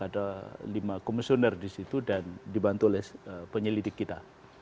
ada lima komisioner di situ dan dibantu oleh penyelidik kita